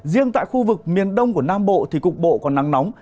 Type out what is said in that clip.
riêng tại khu vực miền đông của nam bộ thì cục bộ còn nắng nóng